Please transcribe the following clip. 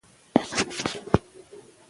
که روغتیا وي نو رنځ نه وي.